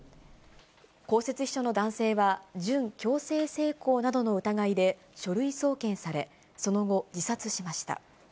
公設秘書の男性は、準強制性交などの疑いで書類送検され、その後、自殺しました。